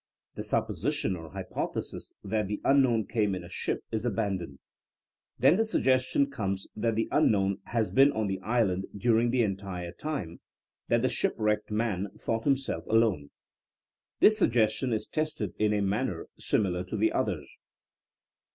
The supposition or hypothesis that the unknown came in a ship is abaadoned. Then the suggestion comes that the unknown has been on the island during the en tire time that the shipwrecked man thought him self alone. This suggestion is tested in a man ner similar to the others.